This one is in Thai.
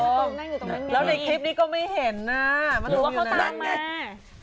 แล้วในคลิปนี้ก็ไม่เห็นนะมะตูมอยู่นั่นแหละหรือว่าเขาตั้งมา